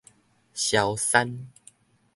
蕭山